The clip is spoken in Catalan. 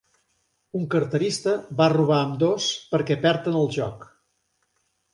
Un carterista va robar ambdós perquè perd en el joc.